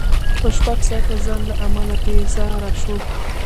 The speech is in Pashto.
د شپږ ساعته ځنډ له امله بېزاره شوو.